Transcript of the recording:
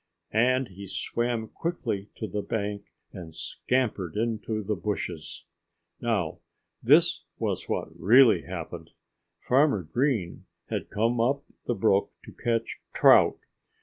And he swam quickly to the bank and scampered into the bushes. Now, this was what really happened. Farmer Green had come up the brook to catch trout.